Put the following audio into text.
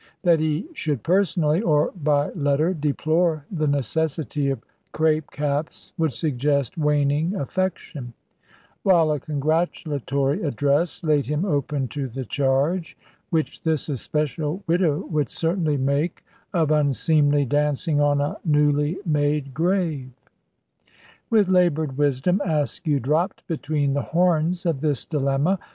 That he should personally, or by letter, deplore the necessity of crape caps, would suggest waning affection; while a congratulatory address laid him open to the charge which this especial widow would certainly make of unseemly dancing on a newly made grave. With laboured wisdom Askew dropped between the horns of this dilemma.